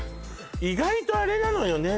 意外とあれなのよね